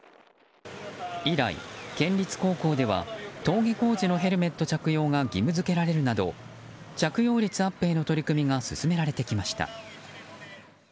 以来、県立高校では登下校時のヘルメット着用が義務付けられるなど着用率アップへの取り組みが進められてきました。